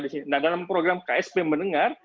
di sini nah dalam program ksp mendengar